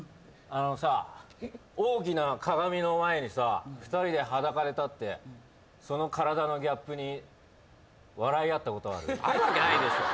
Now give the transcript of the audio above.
あのさ大きな鏡の前にさ２人で裸で立ってその体のギャップに笑い合ったことはある？あるわけないでしょ。